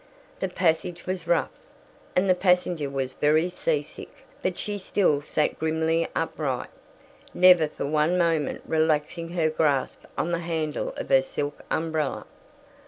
The passage was rough, and the passenger was very seasick; but she still sat grimly upright, never for one moment relaxing her grasp on the handle of her silk umbrella.